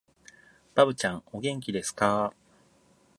ばぶちゃん、お元気ですかー